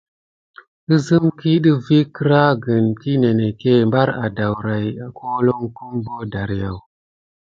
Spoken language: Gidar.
Əzəm kiy ɗəfa vi agra ki ninegué bar adaora aka holokum bo dariyaku.